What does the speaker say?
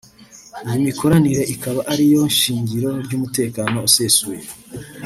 Iyi mikoranire ikaba ariyo shingiro ry’umutekano usesuye